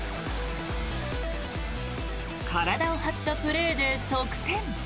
体を張ったプレーで得点。